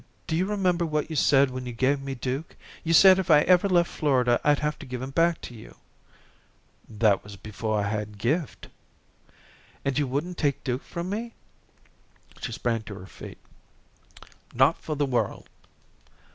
Do you remember what you said when you gave me Duke? You said if I ever left Florida I'd have to give him back to you." "That was before I had Gift." "And you wouldn't take Duke from me?" She sprang to her feet. "Not for the world."